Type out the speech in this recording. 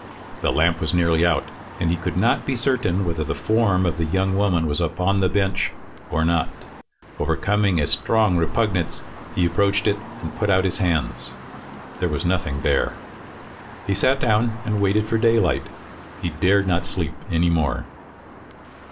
The lamp was nearly out, and he could not be certain whether the form of the young woman was upon the bench or not. Overcoming a strong repugnance, he approached it, and put out his hands there was nothing there. He sat down and waited for the daylight: he dared not sleep any more.